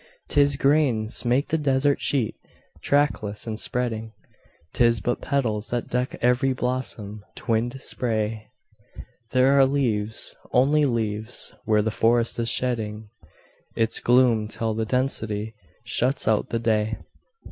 'Tis grains make the desert sheet, trackless and spreading; 'Tis but petals that deck every blossom twinned spray; There are leaves only leaves where the forest is shedding Its gloom till the density shuts out the day.